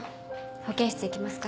保健室行きますか。